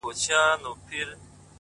د ښكلا ميري د ښكلا پر كلي شــپه تېروم ـ